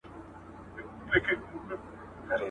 ښوونکی به سبا په پښتو درس ورکوي.